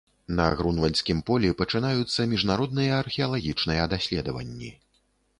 На грунвальдскім полі пачынаюцца міжнародныя археалагічныя даследаванні.